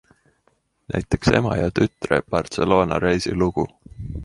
Näiteks ema ja tütre Barcelona-reisi lugu.